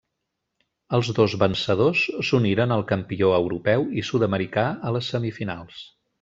Els dos vencedors s'uniren al campió europeu i sud-americà a les semifinals.